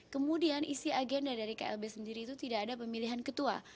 kemudian isi agenda dari klb sendiri itu tidak ada pemilihan ketua